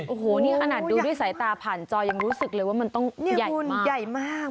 โอ้โหนี่ขนาดดูด้วยสายตาผ่านจอยังรู้สึกเลยว่ามันต้องใหญ่มันใหญ่มาก